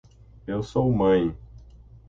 Eu sou mãe.